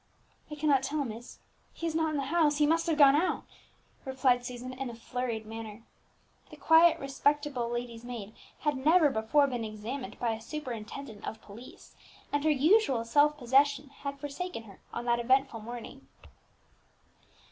"I cannot tell, miss; he is not in the house; he must have gone out," replied Susan in a flurried manner. The quiet, respectable, lady's maid had never before been examined by a superintendent of police, and her usual self possession had forsaken her on that eventful morning.